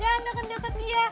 jangan deket deket dia